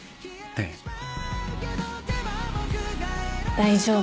大丈夫。